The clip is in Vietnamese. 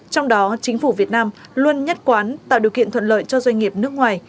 trong đó chính phủ việt nam luôn nhất quán tạo điều kiện thuận lợi cho doanh nghiệp nước ngoài